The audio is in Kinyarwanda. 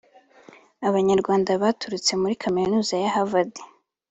Abanyarwanda baturutse muri Kaminuza ya Harvard